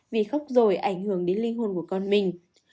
vì khóc rồi ảnh hưởng đến linh hồn của con mình